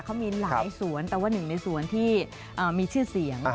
เขามีหลายสวนแต่ว่าหนึ่งในสวนที่มีชื่อเสียง